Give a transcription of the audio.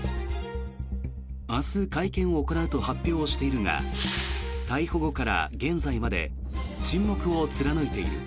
明日会見を行うと発表しているが逮捕後から現在まで沈黙を貫いている。